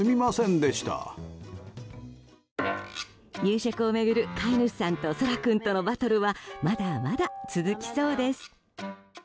夕食を巡る飼い主さんとソラ君とのバトルはまだまだ続きそうです。